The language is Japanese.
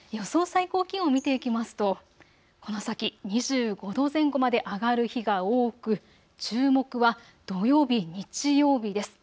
最高気温を見ていきますとこの先２５度前後まで上がる日が多く注目は土曜日、日曜日です。